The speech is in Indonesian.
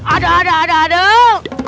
aduh aduh aduh aduh